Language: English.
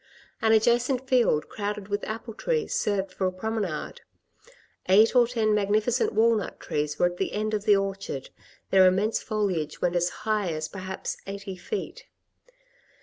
An adjacent field, crowded with apple trees, served for a promenade. Eight or ten magnificent walnut trees were at the end of the orchard. Their immense foliage went as high as perhaps eighty feet.